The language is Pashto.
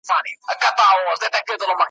چې سجده د غرڅنیو په درشل ږدي.